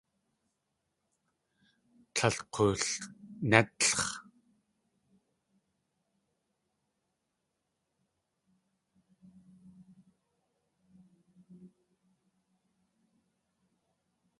Tlél k̲oolnétlx̲.